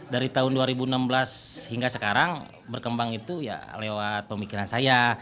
dari tahun dua ribu enam belas hingga sekarang berkembang itu ya lewat pemikiran saya